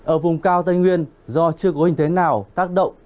ở vùng cao tây nguyên do chưa có hình thế nào tác động